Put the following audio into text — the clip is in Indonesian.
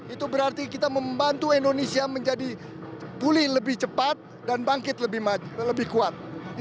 itu berarti kita membantu indonesia menjadi pulih lebih cepat dan bangkit lebih kuat